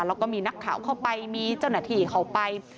แล้วก็มีนักข่าวเข้าไปมีเจ้าหน้าที่เข้าไป